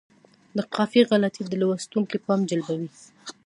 د قافیې غلطي د لوستونکي پام جلبوي.